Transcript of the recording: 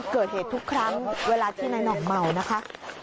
เกิดเหตุทุกครั้งเวลาที่นายหน่องเมานะคะ